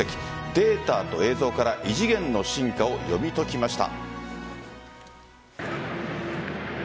データと映像から異次元の進化を読み解きました。